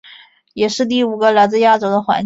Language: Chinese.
也是第五个来自亚洲的环姐。